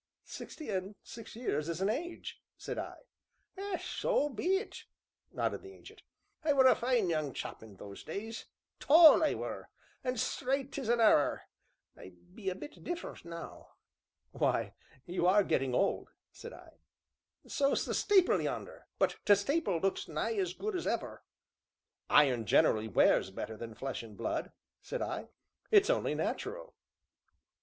"Sixty and six years is an age," said I. "So it be," nodded the Ancient. "I were a fine young chap in those days, tall I were, an' straight as a arrer, I be a bit different now." "Why, you are getting old," said I. "So 's t' stapil yonder, but t' stapil looks nigh as good as ever." "Iron generally wears better than flesh and blood," said I; "it's only natural."